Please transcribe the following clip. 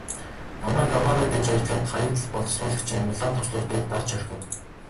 Намайг авраарай гэж орилоод Хаягдал боловсруулагчийн улаан товчлуур дээр дарж орхив.